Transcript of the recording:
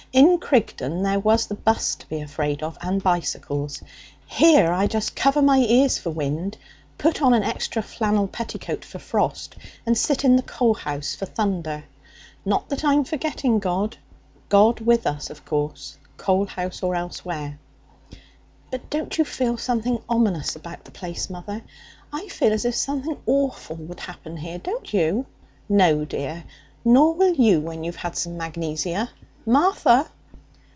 'In Crigton there was the bus to be afraid of, and bicycles. Here I just cover my ears for wind, put on an extra flannel petticoat for frost, and sit in the coal house for thunder. Not that I'm forgetting God. God with us, of course, coal house or elsewhere.' 'But don't you feel something ominous about the place, mother? I feel as if something awful would happen here, don't you?' 'No, dear. Nor will you when you've had some magnesia. Martha!'